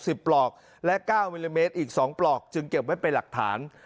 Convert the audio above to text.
ปลอกและเก้ามิลลิเมตรอีกสองปลอกจึงเก็บไว้เป็นหลักฐาน